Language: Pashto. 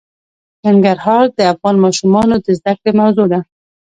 ننګرهار د افغان ماشومانو د زده کړې موضوع ده.